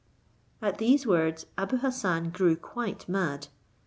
At these words Abou Hassan grew quite mad.